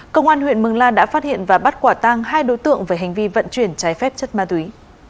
công an huyện mường la đã phát hiện và bắt quả tang hai đối tượng về hành vi vận chuyển trái phép chất ma túy